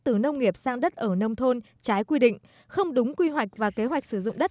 từ nông nghiệp sang đất ở nông thôn trái quy định không đúng quy hoạch và kế hoạch sử dụng đất